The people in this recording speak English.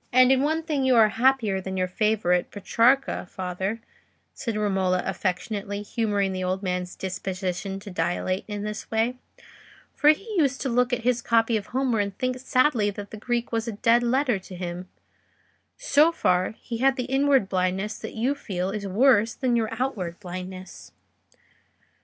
'" "And in one thing you are happier than your favourite Petrarca, father," said Romola, affectionately humouring the old man's disposition to dilate in this way; "for he used to look at his copy of Homer and think sadly that the Greek was a dead letter to him: so far, he had the inward blindness that you feel is worse than your outward blindness."